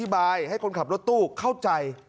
สวัสดีครับคุณผู้ชาย